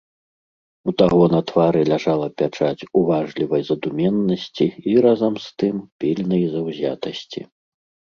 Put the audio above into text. У таго на твары ляжала пячаць уважлівай задуменнасці і, разам з тым, пільнай заўзятасці.